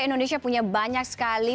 indonesia punya banyak sekali